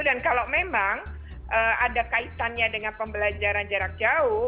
dan kalau memang ada kaitannya dengan pembelajaran jarak jauh